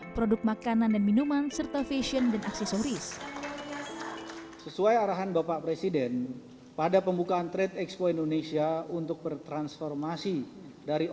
produk makanan dan minuman serta fashion dan aksesoris